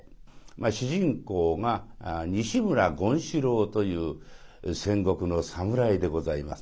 主人公が西村権四郎という戦国の侍でございます。